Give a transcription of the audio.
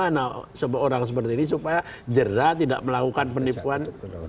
anak seorang seperti ini supaya jerah tidak melakukan penipuan